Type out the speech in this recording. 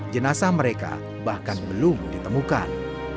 jenazah mereka bahkan belum ditemukan